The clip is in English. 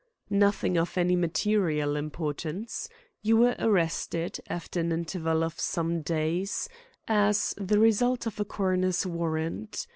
"Nothing of any material importance. You were arrested, after an interval of some days, as the result of a coroner's warrant.